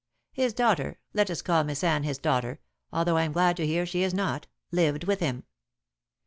His daughter let us call Miss Anne his daughter, although I am glad to hear she is not lived with him.